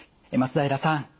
松平さん